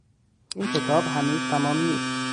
این کتاب هنوز تمام نیست.